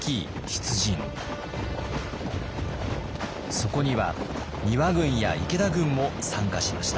そこには丹羽軍や池田軍も参加しました。